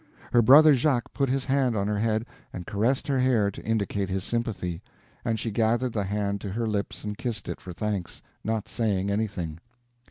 Her brother Jacques put his hand on her head and caressed her hair to indicate his sympathy, and she gathered the hand to her lips and kissed it for thanks, not saying anything.